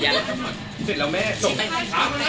แล้วเขาอี๋ออกมาละ